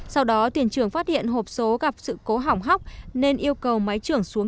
sau đó tiền trưởng phát hiện hộp số gặp sự cố hỏng hóc nên yêu cầu máy trưởng xuất